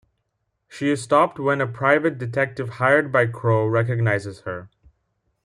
She is stopped when a private detective hired by Crow recognizes her.